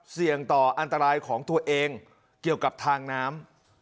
เสี่ยงต่ออันตรายของตัวเองเกี่ยวกับทางน้ำ